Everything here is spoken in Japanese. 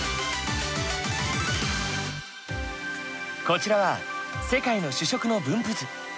こちらは世界の主食の分布図。